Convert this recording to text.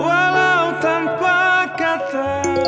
walau tanpa kata